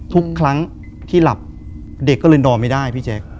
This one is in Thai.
ทุกครั้งที่หลับเด็กก็เลยนอนไม่ได้พี่แจ๊ค